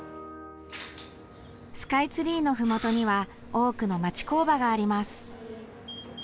スカイツリーのふもとには多くの町工場があります。